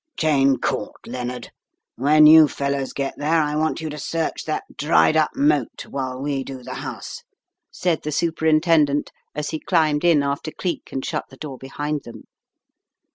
"Cheyne Court, Lennard. When you fellows get there, I want you to search that dried up moat while we do the house," said the Superintendent as he climbed in after Geek and shut the door behind them.